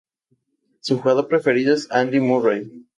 Su jugador preferido es Andy Murray.